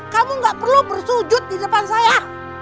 kamu gak perlu bersujud di depan saya